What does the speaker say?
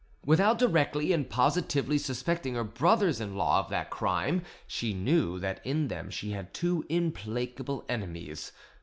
Without directly and positively suspecting her brothers in law of that crime, she knew that in them she had two implacable enemies.